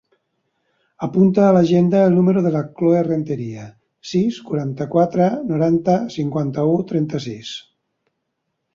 Apunta a l'agenda el número de la Chloe Renteria: sis, quaranta-quatre, noranta, cinquanta-u, trenta-sis.